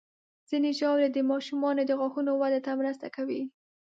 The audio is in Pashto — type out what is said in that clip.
ځینې ژاولې د ماشومانو د غاښونو وده ته مرسته کوي.